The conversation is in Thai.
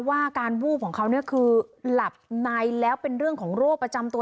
ว่าการวูบของเขาเนี่ยคือหลับในแล้วเป็นเรื่องของโรคประจำตัว